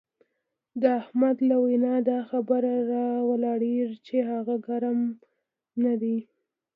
د احمد له وینا دا خبره را ولاړېږي چې هغه ګرم نه دی.